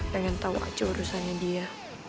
pengen tahu aja urusannya dia